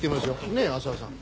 ねえ浅輪さん。